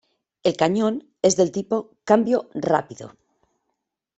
El cañón es del tipo "cambio rápido".